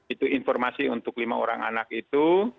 itu informasi untuk lima orang anak itu